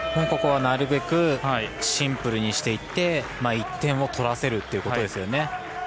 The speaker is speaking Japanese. ここはなるべくシンプルにしていって１点を取らせるということですね。